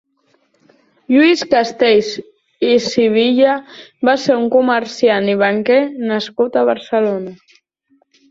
Lluís Castells i Sivilla va ser un comerciant i banquer nascut a Barcelona.